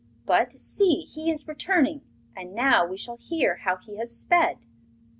But, see, he is returning; and now we shall hear how he has sped.